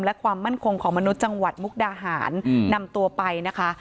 และความมั่นคงของมนุษย์จังหวัดมุกดาหารนำตัวไปนะคะ